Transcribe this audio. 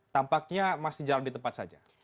tampaknya masih jalan di tempat saja